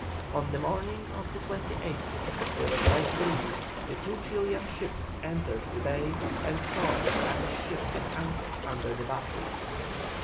On the morning of the 28th, with a fresh breeze, the two Chilian ships entered the bay and saw the Spanish ship at anchor under the batteries.